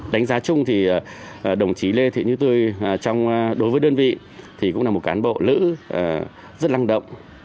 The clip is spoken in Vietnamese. đánh giá chung thì đồng chí lê thị như tôi đối với đơn vị thì cũng là một cán bộ nữ rất lăng động